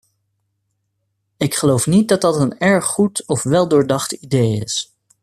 Ik geloof niet dat dat een erg goed of weldoordacht idee is.